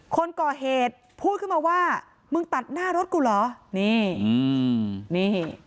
คนก่อเหตุพูดขึ้นมาว่ามึงตัดหน้ารถกูเหรอนี่อืมนี่